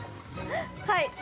はい。